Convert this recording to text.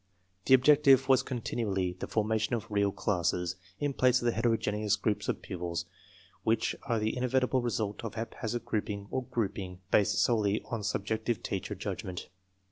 The objective was continually the formation of real "classes" in place of the heterogeneous groups of pupils which are the inevitable result of haphazard grouping or grouping based solely on subjective teacher judgment.